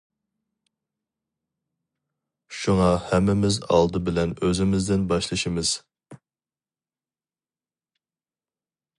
شۇڭا ھەممىمىز ئالدى بىلەن ئۆزىمىزدىن باشلىشىمىز.